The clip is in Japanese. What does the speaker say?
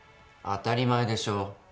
当たり前でしょ。